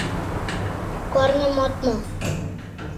— Корным от му.